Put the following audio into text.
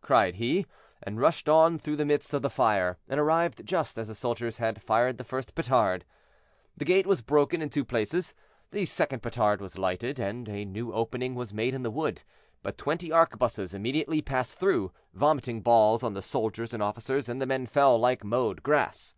cried he, and rushed on through the midst of the fire, and arrived just as the soldiers had fired the first petard. The gate was broken in two places; the second petard was lighted, and a new opening was made in the wood; but twenty arquebuses immediately passed through, vomiting balls on the soldiers and officers, and the men fell like mowed grass.